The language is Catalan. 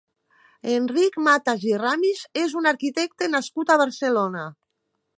Enric Matas i Ramis és un arquitecte nascut a Barcelona.